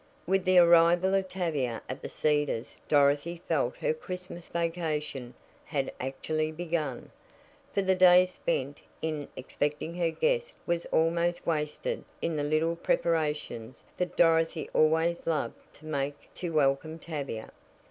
With the arrival of Tavia at The Cedars Dorothy felt her Christmas vacation had actually begun, for the days spent in expecting her guest were almost wasted in the little preparations that Dorothy always loved to make to welcome Tavia.